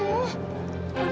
mama udah bohong